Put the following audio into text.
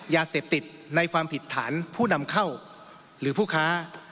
ยาเสพติดในความผิดฐานผู้นำเข้าหรือผู้ค้า